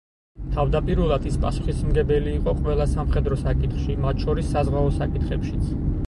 თავდაპირველად ის პასუხისმგებელი იყო ყველა სამხედრო საკითხში, მათ შორის საზღვაო საკითხებშიც.